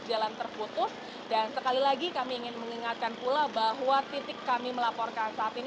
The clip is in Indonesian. dan sekali lagi kami ingin mengingatkan pula bahwa titik kami melaporkan saat ini